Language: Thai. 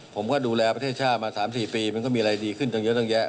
ผมก็ดูแลประเทศชาติมา๓๔ปีมันก็มีอะไรดีขึ้นต่างแยะ